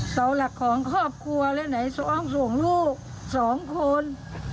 เสาหลักของครอบครัวแล้วไหนส่วงลูก๒คน